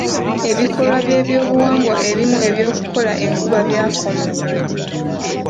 Ebikolwa by'ebyobuwangwa ebimu eby'okukola enkuba byakoma.